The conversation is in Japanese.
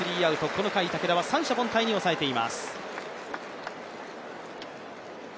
この回、武田は三者凡退に抑えています。